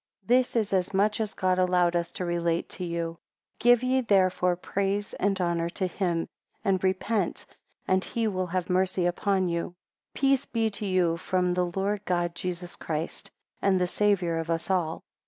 6 This is as much as God allowed us to relate to you; give ye therefore praise and honour to him, and repent, and he will have mercy upon you. Peace be to you from the Lord God Jesus Christ, and the Saviour of us all.